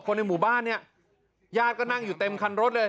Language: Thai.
ในหมู่บ้านเนี่ยญาติก็นั่งอยู่เต็มคันรถเลย